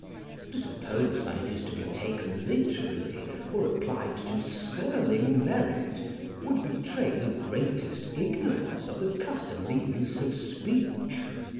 To suppose that it is to be taken literally or applied to sterling merit, would betray the greatest ignorance of the customary use of speech.